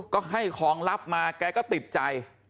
ก็ให้ของลับมาแกก็ติดใจ